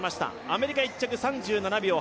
アメリカ１着、３８秒１７。